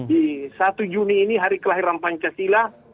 di satu juni ini hari kelahiran pancasila